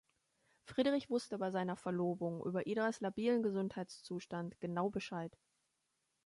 Friedrich wusste bei seiner Verlobung über Idas labilen Gesundheitszustand genau Bescheid.